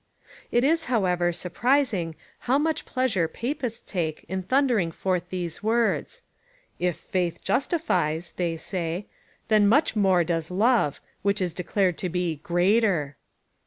It is, however, surprising how much pleasure Papists take in thundering forth these words. " If faith justifies," say they, " then much more does love, which is declared to be greater."